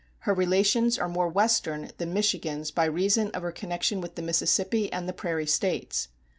Her relations are more Western than Michigan's by reason of her connection with the Mississippi and the prairie States.